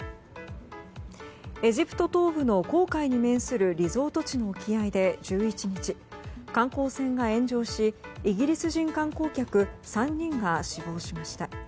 エジプト東部の紅海に面するリゾート地の沖合で１１日、観光船が炎上しイギリス人観光客３人が死亡しました。